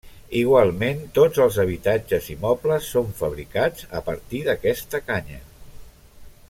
Igualment, tots els habitatges i mobles són fabricats a partir d'aquesta canya.